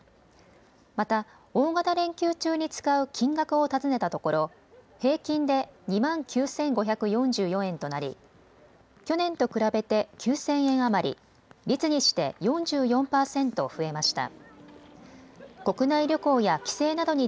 また大型連休中に使う金額を尋ねたところ平均で２万９５４４円となり去年と比べて９０００円余り、率にして４４％増えました。